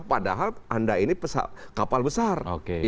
padahal anda ini kapal besar